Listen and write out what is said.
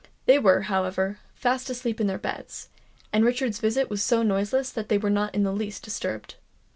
They were, however, fast asleep in their beds; and Richard's visit was so noiseless that they were not in the least disturbed.